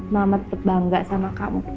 mama tetep bangga sama kamu